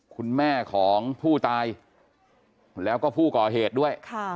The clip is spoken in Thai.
คุณแม่ของผู้ตายแล้วก็ผู้ก่อเหตุด้วย